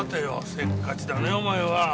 せっかちだねお前は。